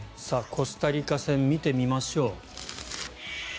コスタリカ戦を見てみましょう。